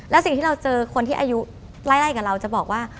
แล้วสิ่งที่เราเจอคนที่อายุไล่กับเราจะบอกว่า